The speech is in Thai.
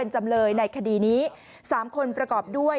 ในคดีนี้๓คนประกอบด้วย